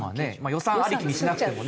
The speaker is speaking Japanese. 予算ありきにしなくてもね。